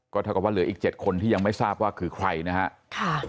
เท่ากับว่าเหลืออีก๗คนที่ยังไม่ทราบว่าคือใครนะครับ